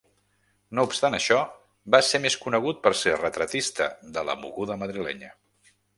No obstant això, va ser més conegut per ser retratista de la moguda madrilenya.